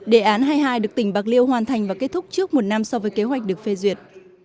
đề án hai mươi hai được tỉnh bạc liêu hoàn thành và kết thúc trước một năm so với kế hoạch được phê duyệt